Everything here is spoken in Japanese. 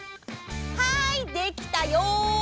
はいできたよ！